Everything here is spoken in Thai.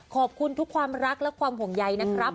ขอบคุณทุกความรักและความห่วงใยนะครับ